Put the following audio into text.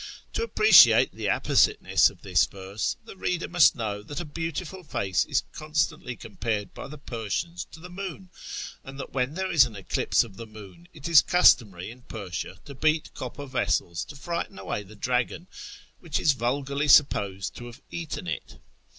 To ^ appreciate the appositeness of this verse the reader must know that a beautiful face is constantly compared by the Persians to the moon, and that when there is an eclipse of the moon it is customary in Persia to beat copper vessels to frighten away the dragon which is vulgarly supposed to have " eaten " it.